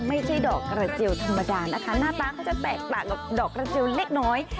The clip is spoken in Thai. ไม่ใช่ดอกกระเจียวธรรมดานะคะหน้าตาเขาจะแตกต่างกับดอกกระเจียวเล็กน้อย